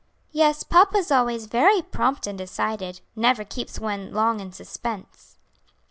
"Yes, papa is always very prompt and decided; never keeps one long in suspense."